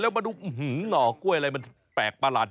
แล้วมาดูหน่อกล้วยอะไรมันแปลกประหลาด